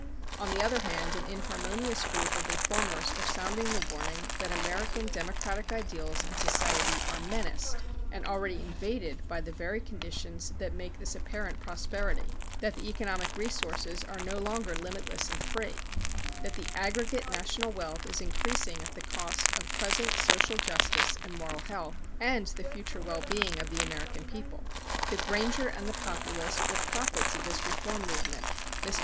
On the other hand, an inharmonious group of reformers are sounding the warning that American democratic ideals and society are menaced and already invaded by the very conditions that make this apparent prosperity; that the economic resources are no longer limitless and free; that the aggregate national wealth is increasing at the cost of present social justice and moral health, and the future well being of the American people. The Granger and the Populist were prophets of this reform movement. Mr.